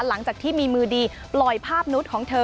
หลังจากที่มีมือดีปล่อยภาพนุษย์ของเธอ